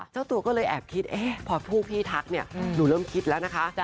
เจ้าตัวก็เลยแอบคิดพอพวกพี่ทักเนี่ยหนูเริ่มคิดแล้วนะคะ